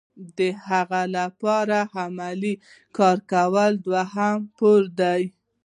د هغې لپاره عملي کار کول یې دوهمه پوړۍ ده.